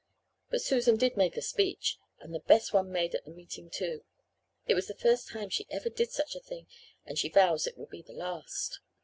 But Susan did make a speech and the best one made at the meeting, too. It was the first time she ever did such a thing and she vows it will be the last.